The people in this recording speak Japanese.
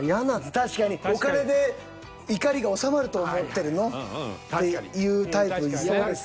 確かに「お金で怒りが収まると思ってるの？」っていうタイプいそうです。